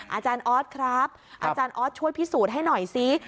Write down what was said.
อาจารย์ออสครับอาจารย์ออสช่วยพิสูจน์ให้หน่อยซิ